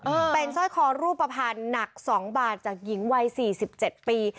เออเป็นสร้อยคอรูปภัณฑ์หนักสองบาทจากหญิงวัยสี่สิบเจ็ดปี